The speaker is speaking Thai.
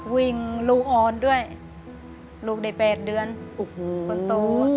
วิ่งลูกอ่อนด้วยลูกเด็ด๘เดือนคนโต